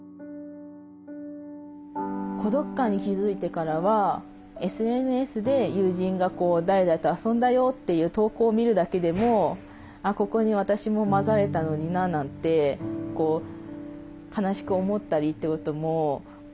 孤独感に気付いてからはＳＮＳで友人が誰々と遊んだよという投稿を見るだけでも「ここに私も交ざれたのにな」なんて悲しく思ったりってことも結構多くて。